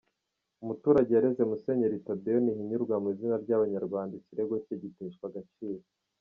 Umuturage yareze Musenyeri Tadeyo Ntihinyurwa mu izina ry’Abanyarwanda ikirego cye giteshwa agaciro .